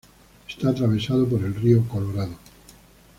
Está atravesado por el río Colorado.